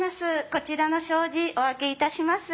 こちらの障子お開けいたします。